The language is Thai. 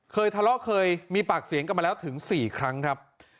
เคยทะเลาะเคยมีปากเสียงกันมาแล้วถึง๔ครั้งครับ